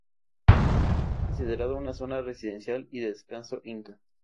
Es considerado una zona residencial y de descanso inca.